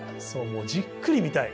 もうじっくり見たい。